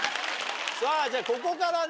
さぁじゃここからね